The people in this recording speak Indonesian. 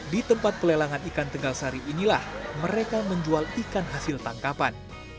di tempat pelelangan ikan tegalsari inilah mereka menjual ikan hasil tangkapan